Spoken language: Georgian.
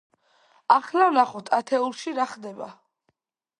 ახლა ვნახოთ ათეულებში რა ხდება.